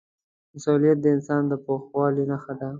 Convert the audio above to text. مسؤلیت د انسان د پوخوالي نښه ده.